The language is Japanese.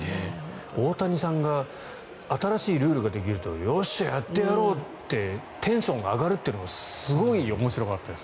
大谷さんが新しいルールができるとよっしゃ、やってやろうってテンションが上がるってすごい面白かったです。